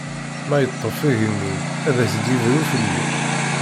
Ma yeṭṭef igenni, ad as-d-ibru fell-i!